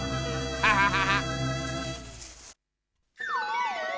ハハハハ。